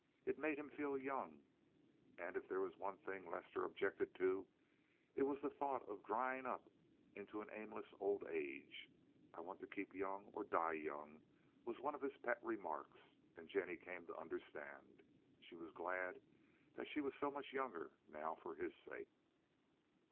It made him feel young, and if there was one thing Lester objected to, it was the thought of drying up into an aimless old age. "I want to keep young, or die young," was one of his pet remarks; and Jennie came to understand. She was glad that she was so much younger now for his sake.